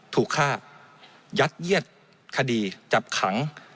ถูกฆ่ายัดเยียดคดีจับขัง